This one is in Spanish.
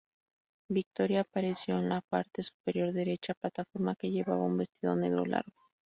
Victoria apareció en la parte superior derecha plataforma que llevaba un vestido negro largo.